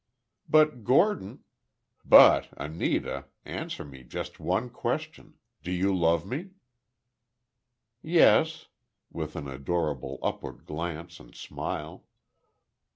"But, Gordon—" "But, Anita—answer me just one question—do you love me?" "Yes," with an adorable upward glance and smile.